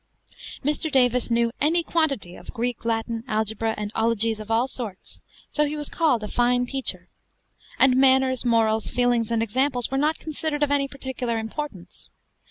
Mr. Davis knew any quantity of Greek, Latin, algebra, and ologies of all sorts, so he was called a fine teacher; and manners, morals, feelings, and examples were not considered of any particular importance.